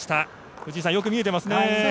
藤井さん、よく見えてますね。